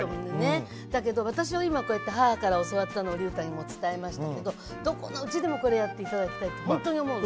だけど私は今こうやって母から教わったのをりゅうたにも伝えましたけどどこのうちでもこれやって頂きたいってほんとに思うの。